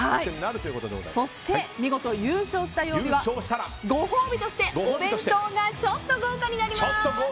そして、見事優勝された曜日にはご褒美としてお弁当がちょっと豪華になります。